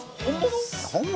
本物？